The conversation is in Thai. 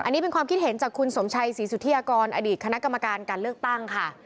อันนี้เป็นความคิดเห็นจากคุณสมชัยศรีสุธิยากรอดีตคณะกรรมการการเลือกตั้งค่ะ